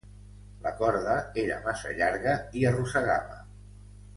La corda era massa llarga i arrossegava.